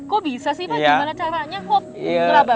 kok bisa sih pak gimana caranya